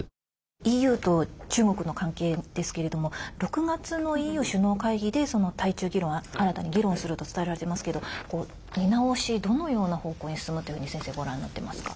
ＥＵと中国の関係ですけれども６月のＥＵ首脳会議で対中議論、新たに議論すると伝えられてますけど見直し、どのような方向に進むというふうに先生、ご覧になってますか？